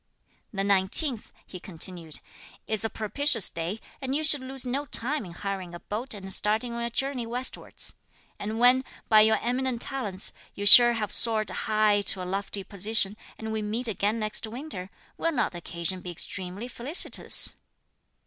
"The nineteenth," he continued, "is a propitious day, and you should lose no time in hiring a boat and starting on your journey westwards. And when, by your eminent talents, you shall have soared high to a lofty position, and we meet again next winter, will not the occasion be extremely felicitous?"